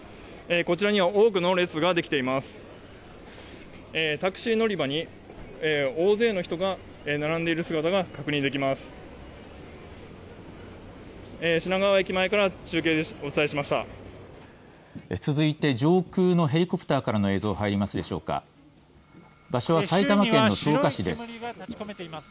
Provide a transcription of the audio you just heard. こちらには多くの列ができています。